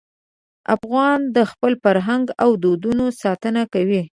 افغان د خپل فرهنګ او دودونو ساتنه کوي.